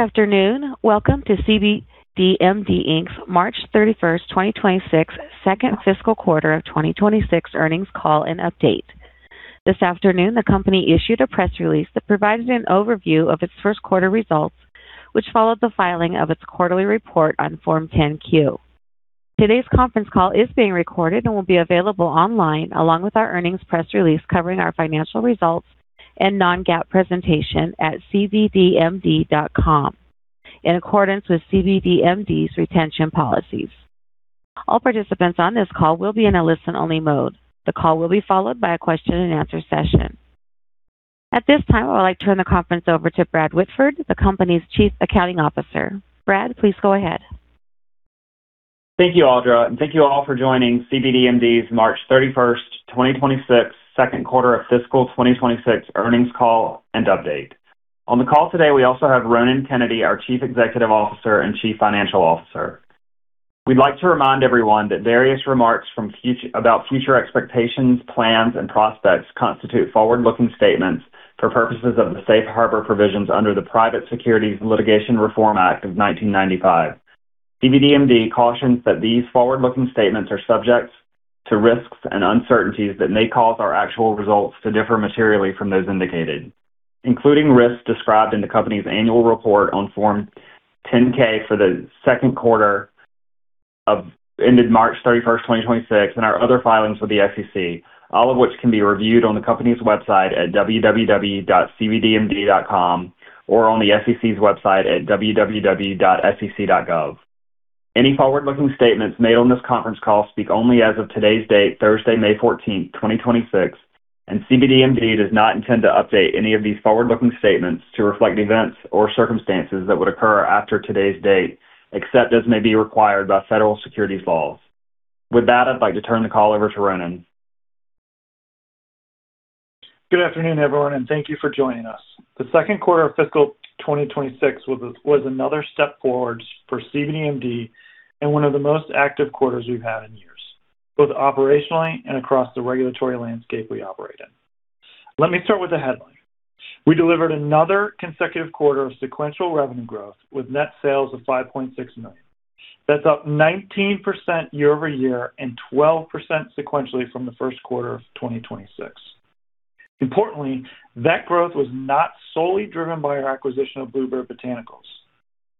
Afternoon. Welcome to cbdMD, Inc.'s March 31, 2026 second fiscal quarter of 2026 earnings call and update. This afternoon, the company issued a press release that provided an overview of its first quarter results, which followed the filing of its quarterly report on Form 10-Q. Today's conference call is being recorded and will be available online along with our earnings press release covering our financial results and non-GAAP presentation at cbdmd.com in accordance with cbdMD's retention policies. All participants on this call will be in a listen-only mode. The call will be followed by a question-and-answer session. At this time, I would like to turn the conference over to Bradley Whitford, the company's Chief Accounting Officer. Bradley, please go ahead. Thank you, Audra, and thank you all for joining cbdMD's March 31st, 2026, second quarter of fiscal 2026 earnings call and update. On the call today, we also have Ronan Kennedy, our Chief Executive Officer and Chief Financial Officer. We'd like to remind everyone that various remarks about future expectations, plans, and prospects constitute forward-looking statements for purposes of the safe harbor provisions under the Private Securities Litigation Reform Act of 1995. cbdMD cautions that these forward-looking statements are subject to risks and uncertainties that may cause our actual results to differ materially from those indicated, including risks described in the company's annual report on Form 10-K for the second quarter ended March 31, 2026, and our other filings with the SEC, all of which can be reviewed on the company's website at www.cbdmd.com or on the SEC's website at www.sec.gov. Any forward-looking statements made on this conference call speak only as of today's date, Thursday, May 14th, 2026, and cbdMD does not intend to update any of these forward-looking statements to reflect events or circumstances that would occur after today's date, except as may be required by federal securities laws. With that, I'd like to turn the call over to Ronan. Good afternoon, everyone, and thank you for joining us. The second quarter of fiscal 2026 was another step forward for cbdMD and one of the most active quarters we've had in years, both operationally and across the regulatory landscape we operate in. Let me start with the headline. We delivered another consecutive quarter of sequential revenue growth with net sales of $5.6 million. That's up 19% year-over-year and 12% sequentially from the first quarter of 2026. Importantly, that growth was not solely driven by our acquisition of Bluebird Botanicals.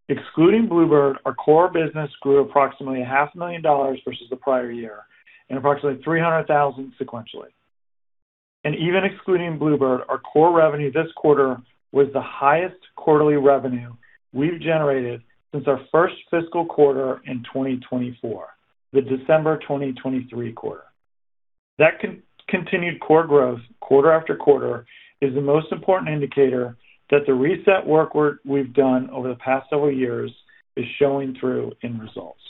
Excluding Bluebird, our core business grew approximately half a million dollars versus the prior year and approximately $300,000 sequentially. Even excluding Bluebird, our core revenue this quarter was the highest quarterly revenue we've generated since our first fiscal quarter in 2024, the December 2023 quarter. That continued core growth quarter after quarter is the most important indicator that the reset work we've done over the past several years is showing through in results.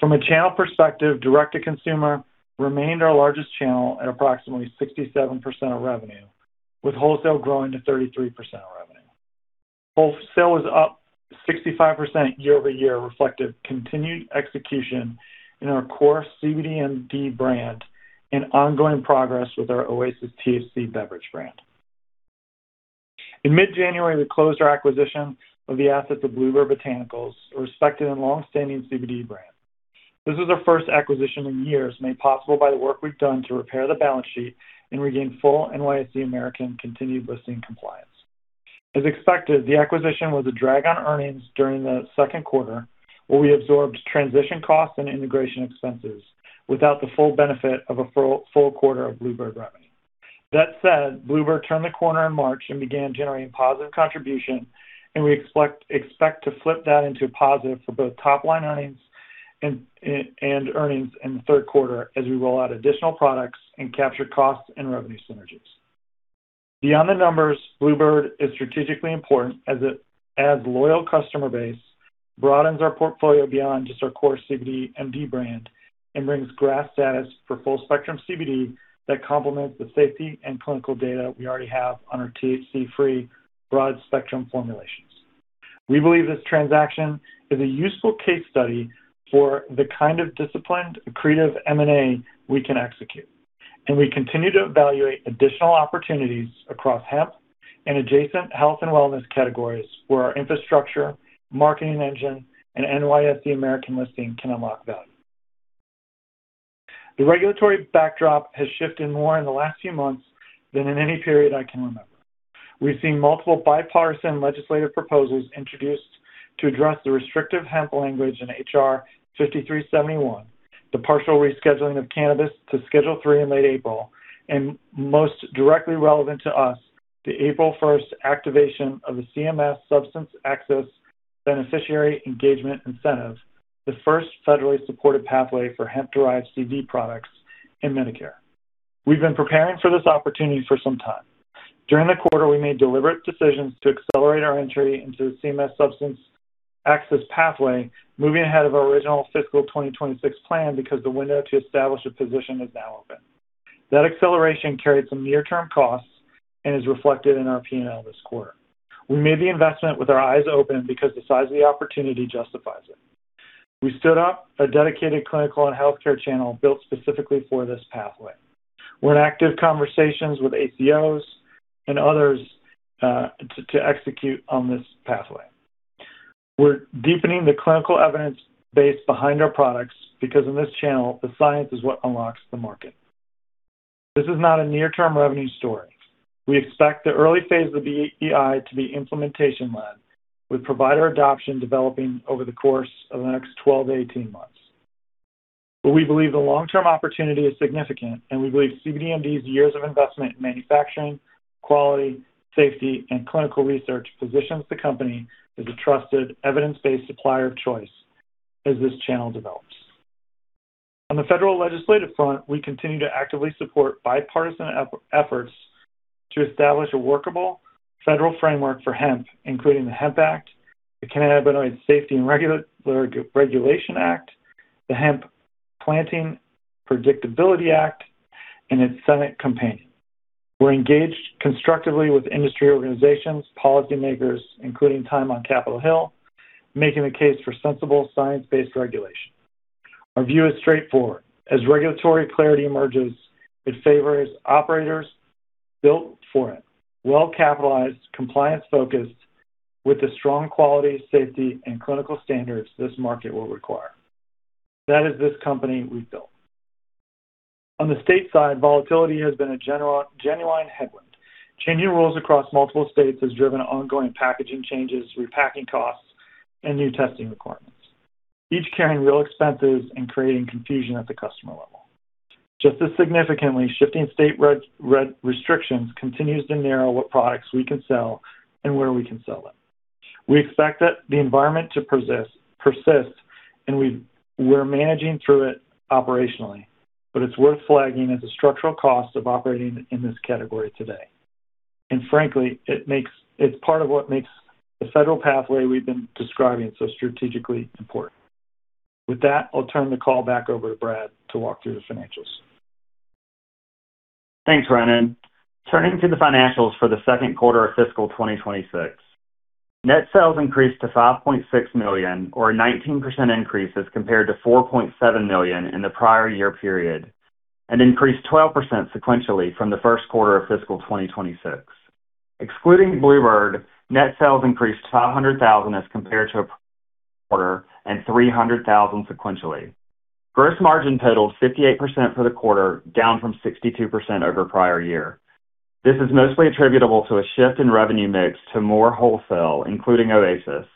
From a channel perspective, direct-to-consumer remained our largest channel at approximately 67% of revenue, with wholesale growing to 33% of revenue. Wholesale was up 65% year-over-year, reflective continued execution in our core cbdMD brand and ongoing progress with our Herbal Oasis THC beverage brand. In mid-January, we closed our acquisition of the assets of Bluebird Botanicals, a respected and longstanding CBD brand. This is our first acquisition in years, made possible by the work we've done to repair the balance sheet and regain full NYSE American continued listing compliance. As expected, the acquisition was a drag on earnings during the second quarter, where we absorbed transition costs and integration expenses without the full benefit of a full quarter of Bluebird revenue. Bluebird turned the corner in March and began generating positive contribution, and we expect to flip that into a positive for both top-line earnings and earnings in the third quarter as we roll out additional products and capture costs and revenue synergies. Beyond the numbers, Bluebird is strategically important as it adds loyal customer base, broadens our portfolio beyond just our core cbdMD brand, and brings GRAS status for full-spectrum CBD that complements the safety and clinical data we already have on our THC-free broad-spectrum formulations. We believe this transaction is a useful case study for the kind of disciplined, accretive M&A we can execute, and we continue to evaluate additional opportunities across hemp and adjacent health and wellness categories where our infrastructure, marketing engine, and NYSE American listing can unlock value. The regulatory backdrop has shifted more in the last few months than in any period I can remember. We've seen multiple bipartisan legislative proposals introduced to address the restrictive hemp language in H.R. 5371, the partial rescheduling of cannabis to Schedule III in late April, and most directly relevant to us, the April 1st activation of the CMS Substance Access Beneficiary Engagement Incentive, the first federally supported pathway for hemp-derived CBD products in Medicare. We've been preparing for this opportunity for some time. During the quarter, we made deliberate decisions to accelerate our entry into the CMS Substance Access pathway, moving ahead of our original fiscal 2026 plan because the window to establish a position is now open. That acceleration carried some near-term costs and is reflected in our P&L this quarter. We made the investment with our eyes open because the size of the opportunity justifies it. We stood up a dedicated clinical and healthcare channel built specifically for this pathway. We're in active conversations with ACOs and others to execute on this pathway. We're deepening the clinical evidence base behind our products because in this channel, the science is what unlocks the market. This is not a near-term revenue story. We expect the early phase of the BEI to be implementation-led, with provider adoption developing over the course of the next 12 to 18 months. We believe the long-term opportunity is significant, and we believe cbdMD's years of investment in manufacturing, quality, safety, and clinical research positions the company as a trusted, evidence-based supplier of choice as this channel develops. On the federal legislative front, we continue to actively support bipartisan efforts to establish a workable federal framework for hemp, including the Hemp Act, the Cannabinoid Safety and Regulation Act, the Hemp Planting Predictability Act, and its Senate companion. We're engaged constructively with industry organizations, policymakers, including time on Capitol Hill, making the case for sensible, science-based regulation. Our view is straightforward. As regulatory clarity emerges, it favors operators built for it, well-capitalized, compliance-focused, with the strong quality, safety, and clinical standards this market will require. That is this company we've built. On the state side, volatility has been a genuine headwind. Changing rules across multiple states has driven ongoing packaging changes, repacking costs, and new testing requirements, each carrying real expenses and creating confusion at the customer level. Just as significantly, shifting state restrictions continues to narrow what products we can sell and where we can sell them. We expect that the environment to persist, and we're managing through it operationally. It's worth flagging as a structural cost of operating in this category today. Frankly, it's part of what makes the federal pathway we've been describing so strategically important. With that, I'll turn the call back over to Brad to walk through the financials. Thanks, Ronan. Turning to the financials for the second quarter of fiscal 2026. Net sales increased to $5.6 million, or a 19% increase as compared to $4.7 million in the prior year period, and increased 12% sequentially from the first quarter of fiscal 2026. Excluding Bluebird, net sales increased $500,000 as compared to a quarter and $300,000 sequentially. Gross margin totaled 58% for the quarter, down from 62% over prior year. This is mostly attributable to a shift in revenue mix to more wholesale, including Oasis.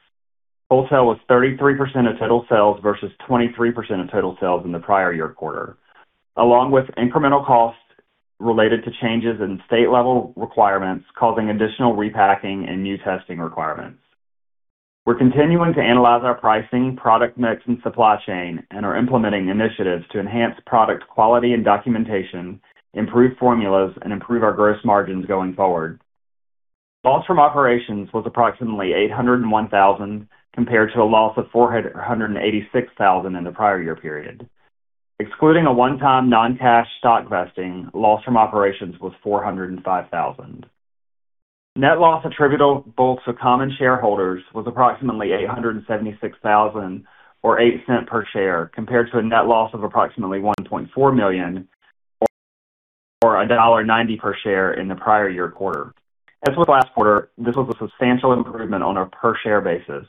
Wholesale was 33% of total sales versus 23% of total sales in the prior year quarter, along with incremental costs related to changes in state-level requirements causing additional repacking and new testing requirements. We're continuing to analyze our pricing, product mix, and supply chain and are implementing initiatives to enhance product quality and documentation, improve formulas, and improve our gross margins going forward. Loss from operations was approximately $801,000, compared to a loss of $486,000 in the prior year period. Excluding a one-time non-cash stock vesting, loss from operations was $405,000. Net loss attributable to common shareholders was approximately $876,000, or $0.08 per share, compared to a net loss of approximately $1.4 million or $1.90 per share in the prior year quarter. As with last quarter, this was a substantial improvement on a per-share basis.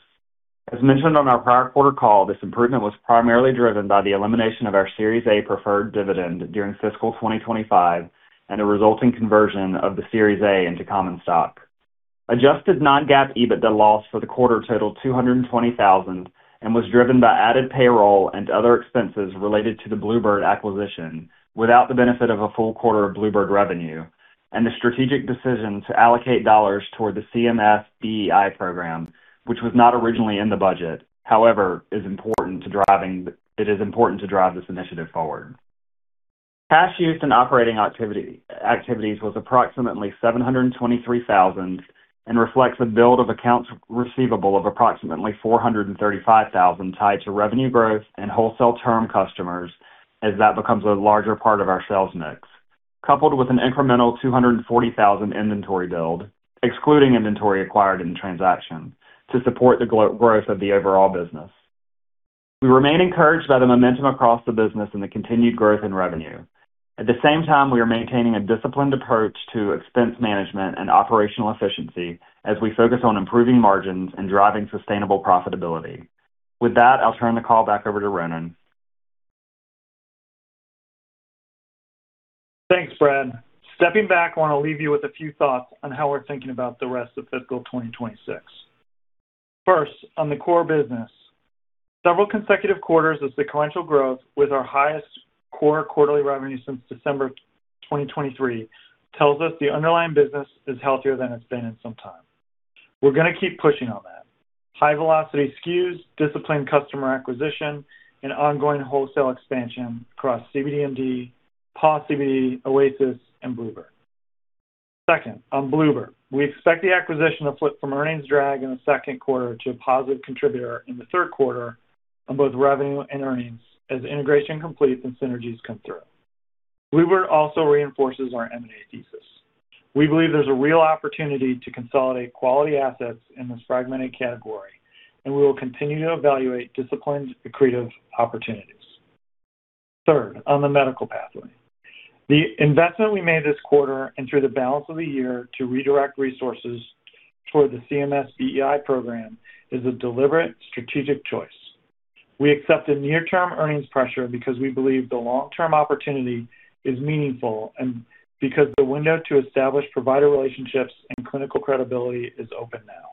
As mentioned on our prior quarter call, this improvement was primarily driven by the elimination of our Series A preferred dividend during fiscal 2025 and a resulting conversion of the Series A into common stock. Adjusted non-GAAP EBITDA loss for the quarter totaled $220,000 and was driven by added payroll and other expenses related to the Bluebird acquisition without the benefit of a full quarter of Bluebird revenue and the strategic decision to allocate dollars toward the CMS BEI program, which was not originally in the budget. It is important to drive this initiative forward. Cash used in operating activities was approximately $723,000 and reflects a build of accounts receivable of approximately $435,000 tied to revenue growth and wholesale term customers as that becomes a larger part of our sales mix, coupled with an incremental $240,000 inventory build, excluding inventory acquired in transaction to support the growth of the overall business. We remain encouraged by the momentum across the business and the continued growth in revenue. At the same time, we are maintaining a disciplined approach to expense management and operational efficiency as we focus on improving margins and driving sustainable profitability. With that, I'll turn the call back over to Ronan. Thanks, Brad. Stepping back, I wanna leave you with a few thoughts on how we're thinking about the rest of fiscal 2026. First, on the core business. Several consecutive quarters of sequential growth with our highest core quarterly revenue since December 2023 tells us the underlying business is healthier than it's been in some time. We're gonna keep pushing on that. High-velocity SKUs, disciplined customer acquisition, and ongoing wholesale expansion across cbdMD, Paw CBD, Oasis, and Bluebird. Second, on Bluebird. We expect the acquisition to flip from earnings drag in the second quarter to a positive contributor in the third quarter on both revenue and earnings as integration completes and synergies come through. Bluebird also reinforces our M&A thesis. We believe there's a real opportunity to consolidate quality assets in this fragmented category, and we will continue to evaluate disciplined, accretive opportunities. Third, on the medical pathway. The investment we made this quarter and through the balance of the year to redirect resources toward the CMS BEI program is a deliberate strategic choice. We accepted near-term earnings pressure because we believe the long-term opportunity is meaningful and because the window to establish provider relationships and clinical credibility is open now.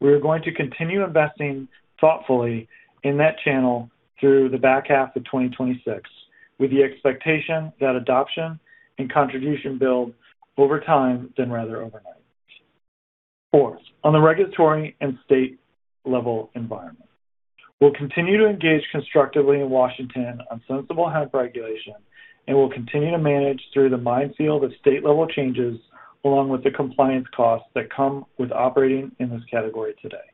We are going to continue investing thoughtfully in that channel through the back half of 2026, with the expectation that adoption and contribution build over time than rather overnight. Fourth, on the regulatory and state-level environment. We'll continue to engage constructively in Washington on sensible hemp regulation, and we'll continue to manage through the minefield of state-level changes along with the compliance costs that come with operating in this category today.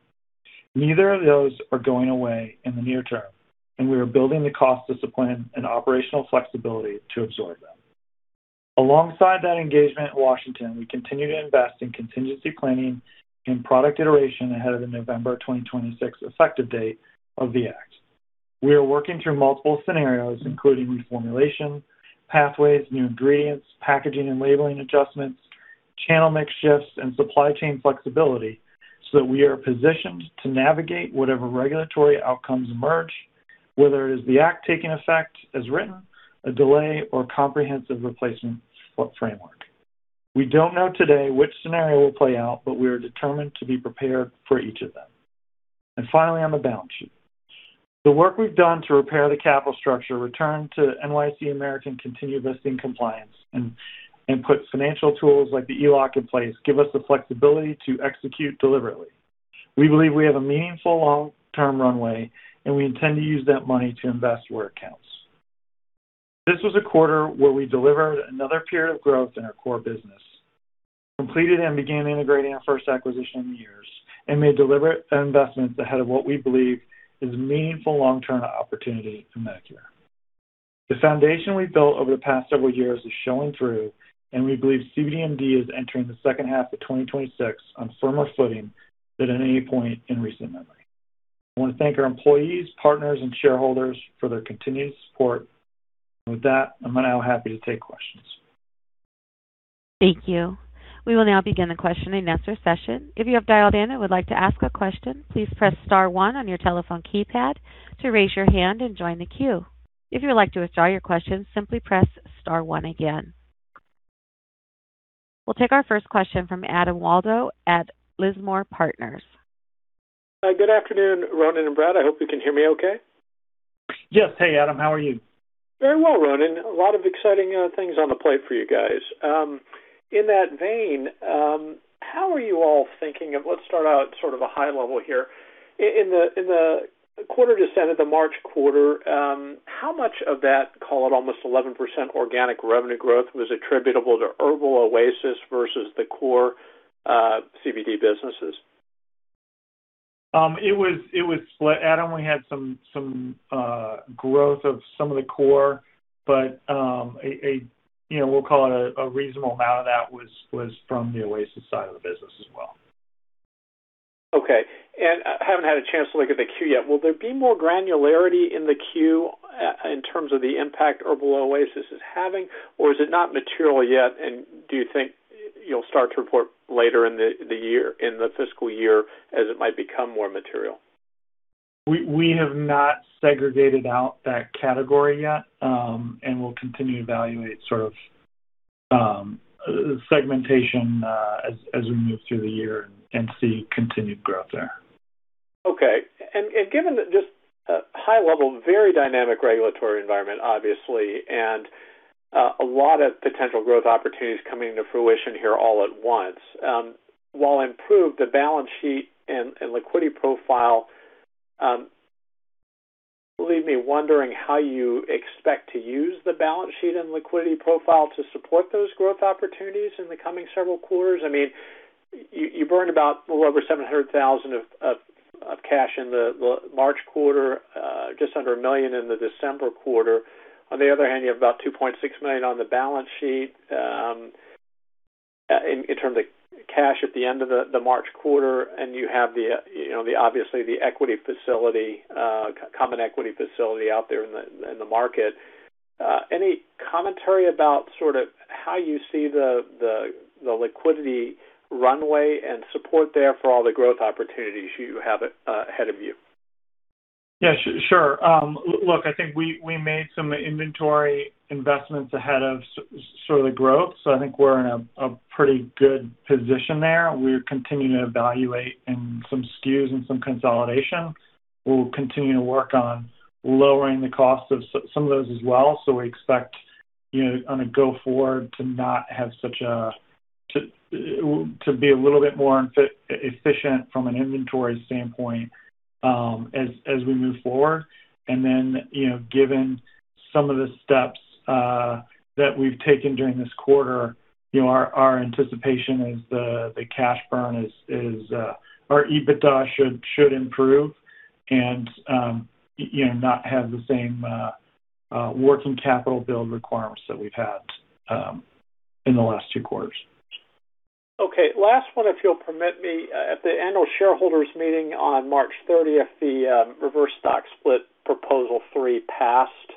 Neither of those are going away in the near term, and we are building the cost discipline and operational flexibility to absorb them. Alongside that engagement in Washington, we continue to invest in contingency planning and product iteration ahead of the November 2026 effective date of the act. We are working through multiple scenarios, including reformulation, pathways, new ingredients, packaging and labeling adjustments, channel mix shifts, and supply chain flexibility, so that we are positioned to navigate whatever regulatory outcomes emerge, whether it is the act taking effect as written, a delay, or comprehensive replacement framework. We don't know today which scenario will play out, but we are determined to be prepared for each of them. Finally, on the balance sheet. The work we've done to repair the capital structure, return to NYSE American continued listing compliance and put financial tools like the ELOC in place give us the flexibility to execute deliberately. We believe we have a meaningful long-term runway, and we intend to use that money to invest where it counts. This was a quarter where we delivered another period of growth in our core business, completed and began integrating our first acquisition in years, and made deliberate investments ahead of what we believe is a meaningful long-term opportunity in Medicare. The foundation we've built over the past several years is showing through. We believe cbdMD is entering the second half of 2026 on firmer footing than at any point in recent memory. I wanna thank our employees, partners, and shareholders for their continued support. With that, I'm now happy to take questions. Thank you. We will now begin the questioning and answer session. If you have dialed in and would like to ask a question, please press star one on your telephone keypad to raise your hand and join the queue. If you would like to withdraw your question, simply press star one again. We'll take our first question from Adam Waldo at Lismore Partners. Hi, good afternoon, Ronan and Brad. I hope you can hear me okay. Yes. Hey, Adam. How are you? Very well, Ronan. A lot of exciting things on the plate for you guys. In that vein, let's start out sort of a high level here. In the quarter just ended, the March quarter, how much of that, call it almost 11% organic revenue growth, was attributable to Herbal Oasis versus the core CBD businesses? It was split. Adam, we had some growth of some of the core, but, you know, we'll call it a reasonable amount of that was from the Herbal Oasis side of the business as well. Okay. I haven't had a chance to look at the Q yet. Will there be more granularity in the Q in terms of the impact Herbal Oasis is having, or is it not material yet, and do you think you'll start to report later in the year, in the fiscal year as it might become more material? We have not segregated out that category yet. We'll continue to evaluate sort of segmentation as we move through the year and see continued growth there. Okay. Given the just high level, very dynamic regulatory environment, obviously, and a lot of potential growth opportunities coming to fruition here all at once, while improved the balance sheet and liquidity profile, leave me wondering how you expect to use the balance sheet and liquidity profile to support those growth opportunities in the coming several quarters. I mean, you burned about a little over $700,000 of cash in the March quarter, just under $1 million in the December quarter. On the other hand, you have about $2.6 million on the balance sheet in terms of cash at the end of the March quarter, and you have the, you know, the obviously the equity facility, common equity facility out there in the market. Any commentary about sort of how you see the, the liquidity runway and support there for all the growth opportunities you have ahead of you? Yeah, sure. Look, I think we made some inventory investments ahead of sort of the growth, so I think we're in a pretty good position there. We're continuing to evaluate in some SKUs and some consolidation. We'll continue to work on lowering the cost of some of those as well. We expect, you know, on a go forward to not have to be a little bit more efficient from an inventory standpoint as we move forward. You know, given some of the steps that we've taken during this quarter, you know, our anticipation is the cash burn is or EBITDA should improve. You know, not have the same working capital build requirements that we've had in the last two quarters. Okay. Last one, if you'll permit me. At the annual shareholders meeting on March 30th, the reverse stock split proposal three passed.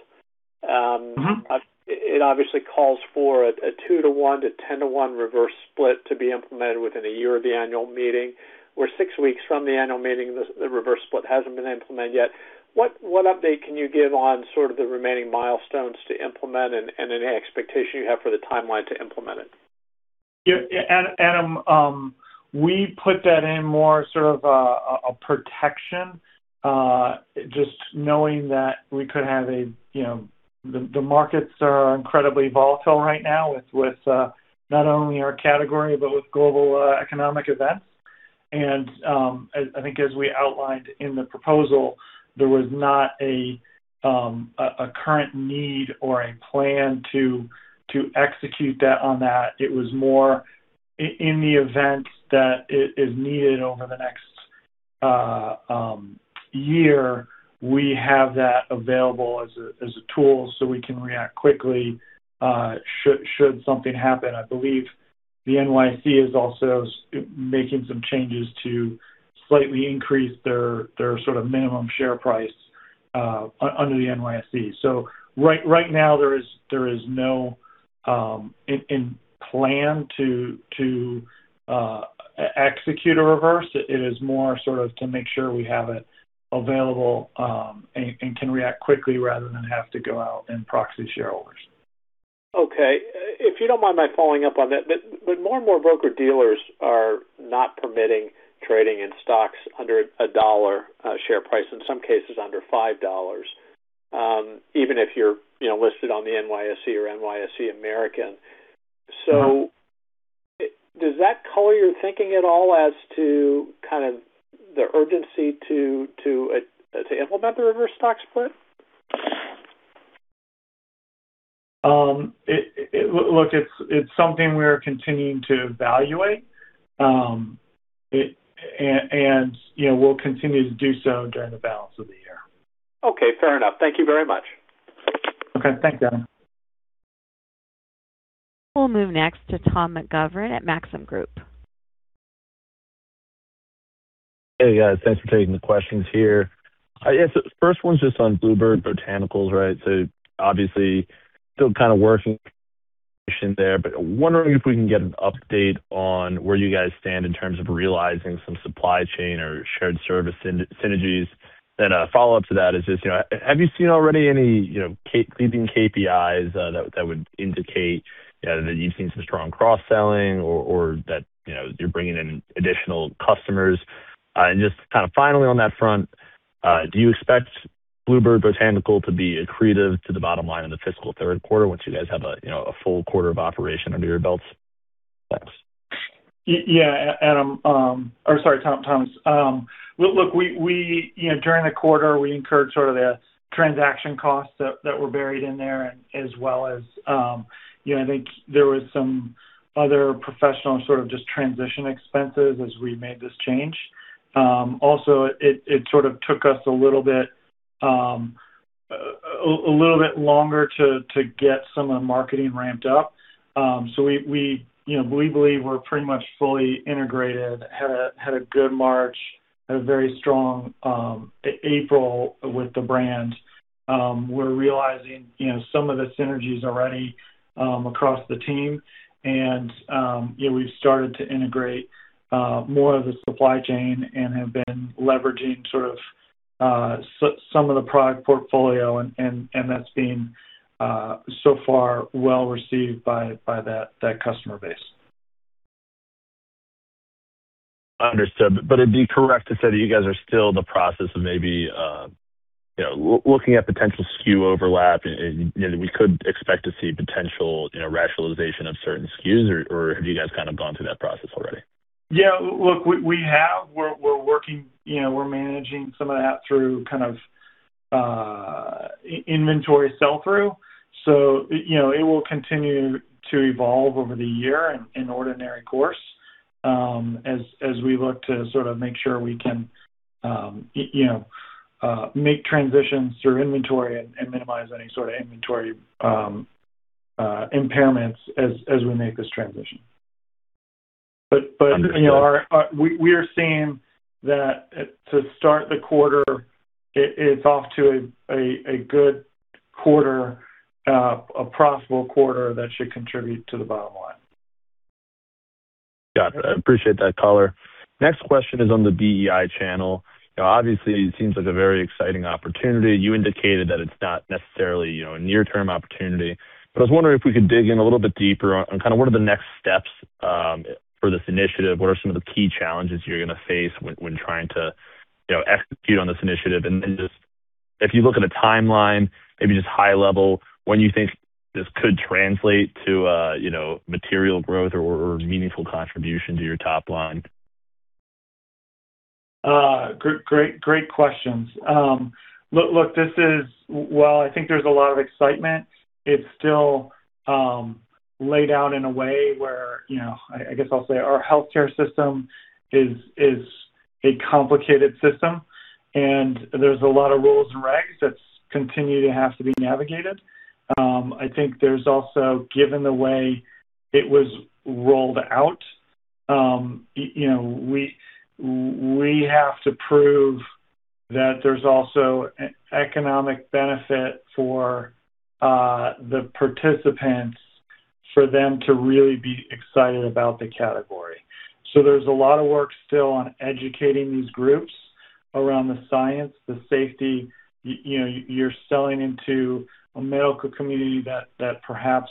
It obviously calls for a two to one to 10 to 1 reverse split to be implemented within a year of the annual meeting. We're six weeks from the annual meeting, the reverse split hasn't been implemented yet. What update can you give on sort of the remaining milestones to implement and any expectation you have for the timeline to implement it? Yeah, Adam, we put that in more sort of a protection, just knowing that we could have a, you know The markets are incredibly volatile right now with not only our category, but with global economic events. I think as we outlined in the proposal, there was not a current need or a plan to execute that on that. It was more in the event that it is needed over the next year, we have that available as a tool so we can react quickly, should something happen. I believe the NYSE is also making some changes to slightly increase their sort of minimum share price under the NYSE. Right now, there is no in plan to execute a reverse. It is more sort of to make sure we have it available, and can react quickly rather than have to go out and proxy shareholders. Okay. If you don't mind my following up on that, but more and more broker-dealers are not permitting trading in stocks under a $1 share price, in some cases under $5, even if you're, you know, listed on the NYSE or NYSE American. Does that color your thinking at all as to kind of the urgency to implement the reverse stock split? Look, it's something we are continuing to evaluate. You know, we'll continue to do so during the balance of the year. Okay, fair enough. Thank you very much. Okay. Thanks, Adam. We'll move next to Tom McGovern at Maxim Group. Hey, guys. Thanks for taking the questions here. I guess the first one's just on Bluebird Botanicals, right? obviously still kind of working there, but wondering if we can get an update on where you guys stand in terms of realizing some supply chain or shared service synergies. A follow-up to that is just, you know, have you seen already any, you know, pleasing KPIs that would indicate, you know, that you've seen some strong cross-selling or that, you know, you're bringing in additional customers? And just kind of finally on that front, do you expect Bluebird Botanicals to be accretive to the bottom line in the fiscal third quarter once you guys have a, you know, a full quarter of operation under your belts? Thanks. Yeah, Adam, sorry, Tom, Thomas. Look, we, you know, during the quarter, we incurred sort of the transaction costs that were buried in there, and as well as, you know, I think there was some other professional sort of just transition expenses as we made this change. Also, it sort of took us a little bit, a little bit longer to get some of the marketing ramped up. We, you know, we believe we're pretty much fully integrated, had a good March, had a very strong April with the brand. We're realizing, you know, some of the synergies already across the team and, you know, we've started to integrate more of the supply chain and have been leveraging sort of, some of the product portfolio and that's been so far well received by that customer base. Understood. It'd be correct to say that you guys are still in the process of maybe, you know, looking at potential SKU overlap and, you know, we could expect to see potential, you know, rationalization of certain SKUs or have you guys kind of gone through that process already? We have. We're working, you know, we're managing some of that through kind of inventory sell-through. You know, it will continue to evolve over the year in ordinary course as we look to sort of make sure we can, you know, make transitions through inventory and minimize any sort of inventory impairments as we make this transition. Understood you know, we are seeing that to start the quarter, it is off to a good quarter, a profitable quarter that should contribute to the bottom line. Got it. I appreciate that color. Next question is on the BEI channel. You know, obviously, it seems like a very exciting opportunity. You indicated that it's not necessarily, you know, a near-term opportunity, but I was wondering if we could dig in a little bit deeper on kind of what are the next steps for this initiative. What are some of the key challenges you're gonna face when trying to, you know, execute on this initiative? Just if you look at a timeline, maybe just high level, when you think this could translate to, you know, material growth or meaningful contribution to your top line. Great questions. Look, while I think there's a lot of excitement, it's still Lay down in a way where, you know, I guess I'll say our healthcare system is a complicated system, and there's a lot of rules and regs that's continue to have to be navigated. I think there's also, given the way it was rolled out, you know, we have to prove that there's also economic benefit for the participants for them to really be excited about the category. There's a lot of work still on educating these groups around the science, the safety. You know, you're selling into a medical community that perhaps,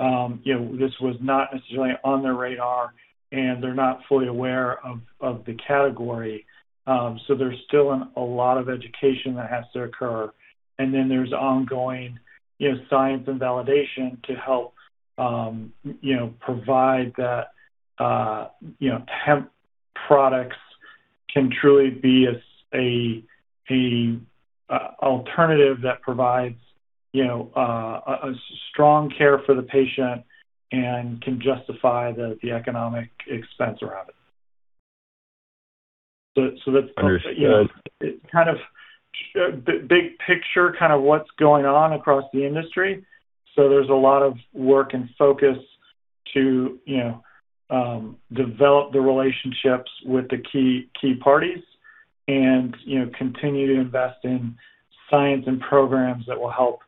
you know, this was not necessarily on their radar, and they're not fully aware of the category. There's still an, a lot of education that has to occur. There's ongoing, you know, science and validation to help, you know, provide that, you know, hemp products can truly be a, a, uh, alternative that provides, you know, a strong care for the patient and can justify the economic expense around it. That's- Understood. You know, kind of big picture, kind of what's going on across the industry. There's a lot of work and focus to, you know, develop the relationships with the key parties and, you know, continue to invest in science and programs that will help,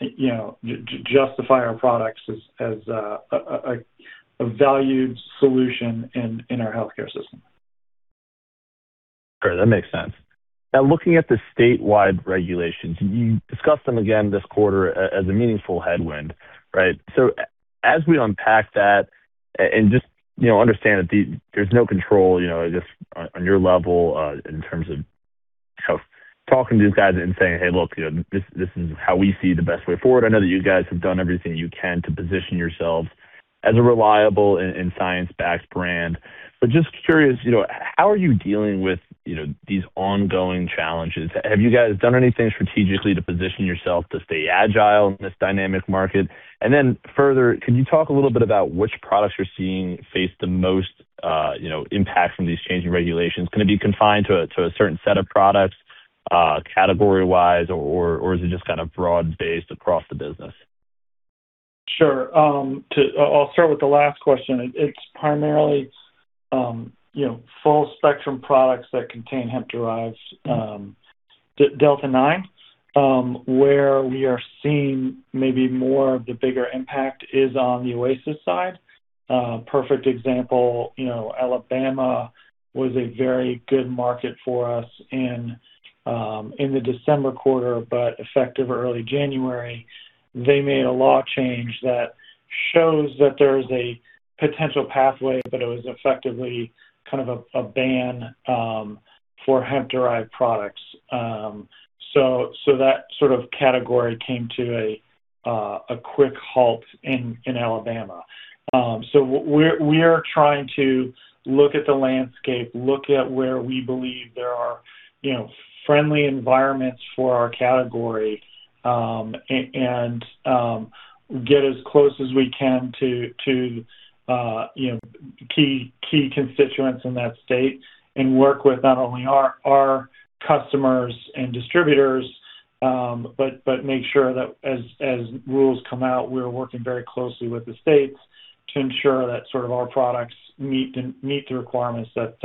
you know, justify our products as a valued solution in our healthcare system. Sure, that makes sense. Looking at the statewide regulations, you discussed them again this quarter as a meaningful headwind, right? As we unpack that and just, you know, understand that there's no control, you know, just on your level, in terms of talking to these guys and saying, "Hey, look, you know, this is how we see the best way forward." I know that you guys have done everything you can to position yourselves as a reliable and science-backed brand. Just curious, you know, how are you dealing with, you know, these ongoing challenges? Have you guys done anything strategically to position yourself to stay agile in this dynamic market? Further, could you talk a little bit about which products you're seeing face the most, you know, impact from these changing regulations? Is it going to be confined to a certain set of products, category-wise, or is it just kind of broad-based across the business? Sure. I'll start with the last question. It's primarily, you know, full spectrum products that contain Hemp-derived delta-9. Where we are seeing maybe more of the bigger impact is on the Oasis side. Perfect example, you know, Alabama was a very good market for us in the December quarter, but effective early January, they made a law change that shows that there is a potential pathway, but it was effectively kind of a ban for hemp-derived products. That sort of category came to a quick halt in Alabama. We are trying to look at the landscape, look at where we believe there are, you know, friendly environments for our category, and get as close as we can to, you know, key constituents in that state and work with not only our customers and distributors, but make sure that as rules come out, we're working very closely with the states to ensure that sort of our products meet the requirements that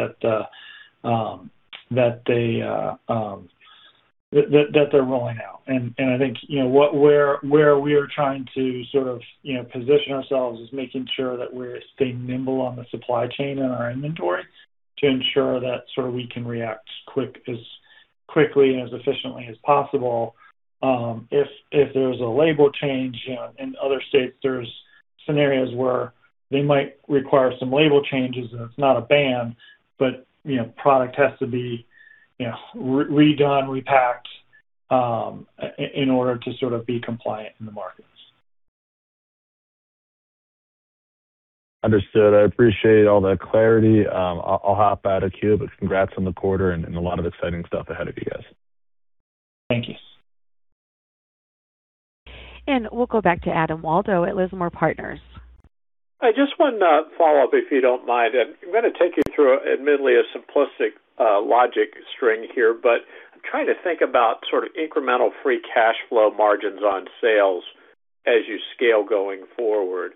they're rolling out. I think, you know, where we are trying to sort of, you know, position ourselves is making sure that we're staying nimble on the supply chain and our inventory to ensure that sort of we can react quick, as quickly and as efficiently as possible. If, if there's a label change, you know, in other states, there's scenarios where they might require some label changes, and it's not a ban, but you know, product has to be, you know, redone, repacked, in order to sort of be compliant in the markets. Understood. I appreciate all the clarity. I'll hop out of queue. Congrats on the quarter and a lot of exciting stuff ahead of you guys. Thank you. We'll go back to Adam Waldo at Lismore Partners. I just one follow-up, if you don't mind. I'm gonna take you through admittedly a simplistic logic string here, but I'm trying to think about sort of incremental free cash flow margins on sales as you scale going forward.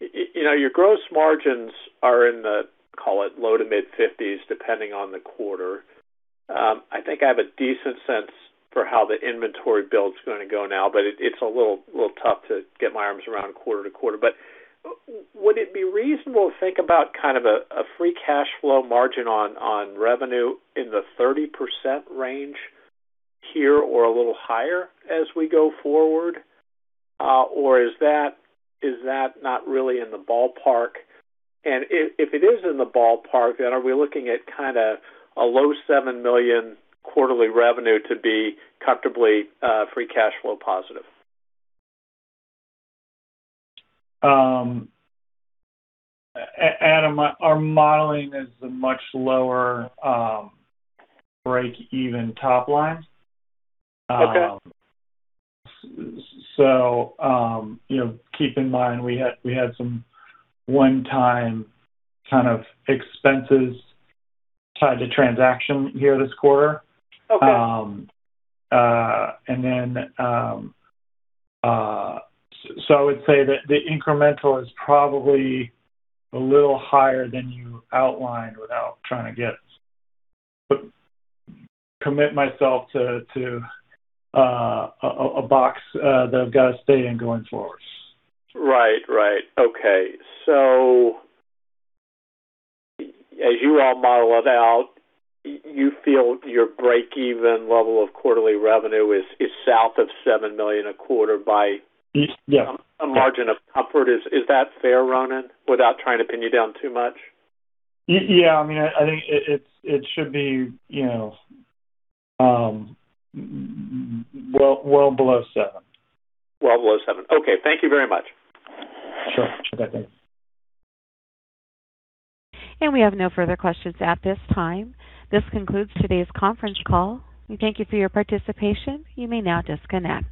You know, your gross margins are in the, call it, low to mid-50s, depending on the quarter. I think I have a decent sense for how the inventory build's gonna go now, but it's a little tough to get my arms around quarter to quarter. Would it be reasonable to think about kind of a free cash flow margin on revenue in the 30% range here or a little higher as we go forward? Is that not really in the ballpark? If it is in the ballpark, then are we looking at kinda a low $7 million quarterly revenue to be comfortably free cash flow positive? Adam, our modeling is a much lower, break even top line. Okay. You know, keep in mind, we had some one-time kind of expenses tied to transaction here this quarter. Okay. I would say that the incremental is probably a little higher than you outlined without trying to get commit myself to a box that I've gotta stay in going forward. Right. Right. Okay. As you all model it out, you feel your break-even level of quarterly revenue is south of $7 million a quarter. Yes. -a margin of comfort. Is that fair, Ronan, without trying to pin you down too much? Yeah. I mean, I think it should be, you know, well below seven. Well below seven. Okay. Thank you very much. Sure. Have a good day. We have no further questions at this time. This concludes today's conference call. We thank you for your participation. You may now disconnect.